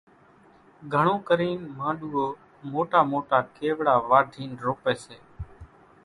گھڻون ڪرينَ مانڏوئو موٽا موٽا ڪيوڙا واڍينَ روپيَ سي۔